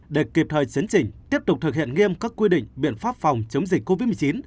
để kịp thời chấn chỉnh tiếp tục thực hiện nghiêm các quy định biện pháp phòng chống dịch covid một mươi chín